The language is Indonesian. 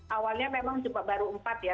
awalnya memang cuma baru empat ya